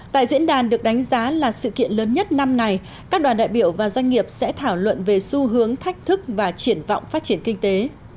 tại diễn đàn được đánh giá là sự kiện lớn nhất năm nay các đoàn đại biểu và doanh nghiệp sẽ thảo luận về xu hướng thách thức và triển vọng phát triển kinh tế